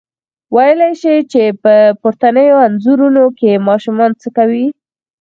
ویلای شئ چې په پورتنیو انځورونو کې ماشومان څه کوي؟